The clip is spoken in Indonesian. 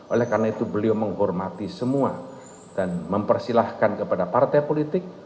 oleh karena itu beliau menghormati semua dan mempersilahkan kepada partai politik